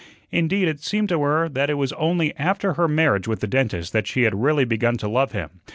Indeed, it seemed to her that it was only AFTER her marriage with the dentist that she had really begun to love him.